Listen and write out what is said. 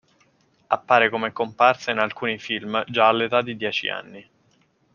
Appare come comparsa in alcuni film già all'età di dieci anni.